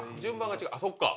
そっか。